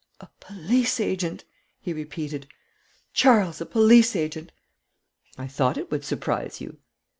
'A police agent!' he repeated, 'Charles a police agent!' 'I thought it would surprise you.'